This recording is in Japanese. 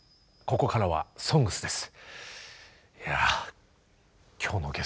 ここからは「ＳＯＮＧＳ」です。